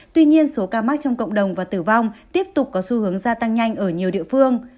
tuy nhiên số ca mắc trong cộng đồng và tử vong tiếp tục có xu hướng gia tăng nhanh ở nhiều địa phương